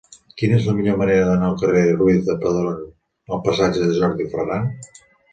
Quina és la millor manera d'anar del carrer de Ruiz de Padrón al passatge de Jordi Ferran?